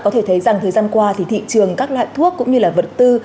thấy rằng thời gian qua thì thị trường các loại thuốc cũng như là vật tư